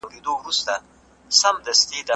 زه راغلی يم